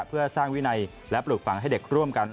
เพื่อสร้างวินัยและปลูกฝังให้เด็กร่วมกัน